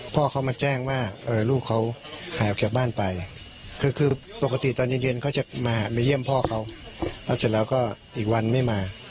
พ่อเขามาแจ้งว่าลูกเขาหายขาดไป